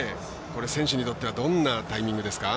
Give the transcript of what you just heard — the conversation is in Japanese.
選手にとってはどんなタイミングですか？